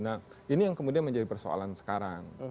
nah ini yang kemudian menjadi persoalan sekarang